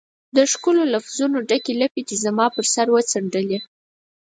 د ښکلو لفظونو ډکي لپې دي زما پر سر وڅنډلي